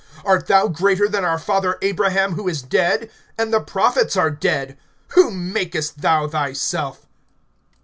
(53)Art thou greater than our father Abraham, who is dead? And the prophets are dead. Whom makest thou thyself?